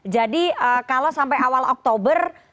jadi kalau sampai awal oktober